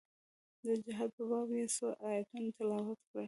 د جهاد په باب يې څو ايتونه تلاوت کړل.